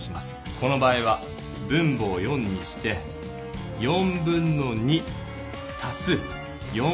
この場合は分母を４にしてたす1/4。